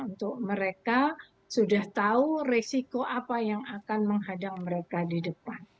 untuk mereka sudah tahu resiko apa yang akan menghadang mereka di depan